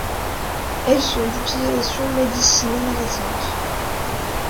Elles sont d'utilisation médicinale récente.